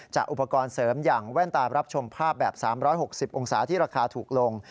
อุปกรณ์เสริมอย่างแว่นตารับชมภาพแบบ๓๖๐องศาที่ราคาถูกลง